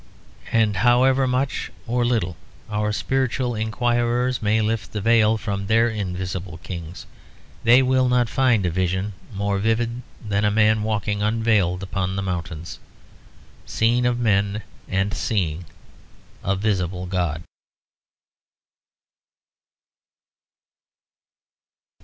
And however much or little our spiritual inquirers may lift the veil from their invisible kings, they will not find a vision more vivid than a man walking unveiled upon the mountains, seen of men and seeing; a visible god.